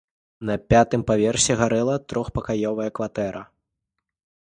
На пятым паверсе гарэла трохпакаёвая кватэра.